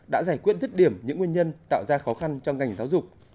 đã giải quyết dứt điểm những nguyên nhân tạo ra khó khăn trong ngành giáo dục